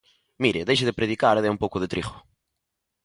Mire, deixe de predicar e dea un pouco de trigo.